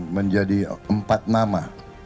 menjadi empat nama